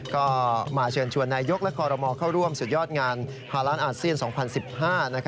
ก็มาเชิญชวนนายยกและคอรมอลเข้าร่วมสุดยอดงานฮาล้านอาเซียน๒๐๑๕